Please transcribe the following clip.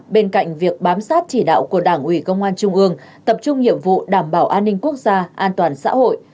bên cạnh việc bám sát chỉ đạo của đảng ủy công an trung ương tập trung nhiệm vụ đảm bảo an ninh quốc gia an toàn xã hội